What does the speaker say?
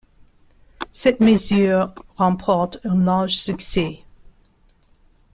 Cette mesure remporte un large succès.